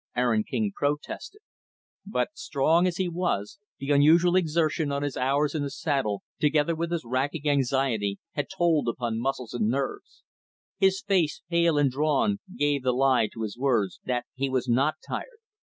Aaron King protested. But, strong as he was, the unusual exertion of his hours in the saddle, together with his racking anxiety, had told upon muscles and nerves. His face, pale and drawn, gave the lie to his words that he was not tired.